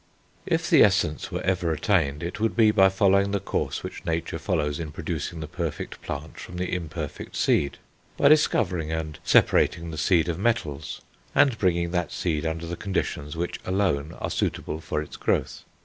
If the essence were ever attained, it would be by following the course which nature follows in producing the perfect plant from the imperfect seed, by discovering and separating the seed of metals, and bringing that seed under the conditions which alone are suitable for its growth.